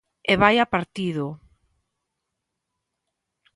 E vaia partido.